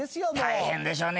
大変でしょうね